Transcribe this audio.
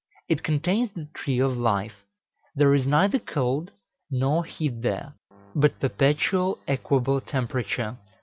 It contains the Tree of Life: there is neither cold nor heat there, but perpetual equable temperature.